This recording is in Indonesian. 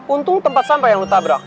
untung tempat sampah yang lu tabrak